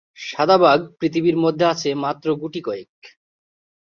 সাদা বাঘ পৃথিবীর মধ্যে আছে মাত্র গুটি কয়েক।